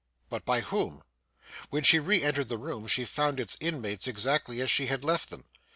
But by whom? When she re entered the room, she found its inmates exactly as she had left them.